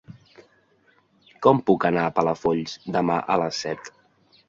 Com puc anar a Palafolls demà a les set?